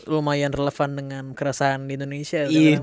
lumayan relevan dengan kerasaan indonesia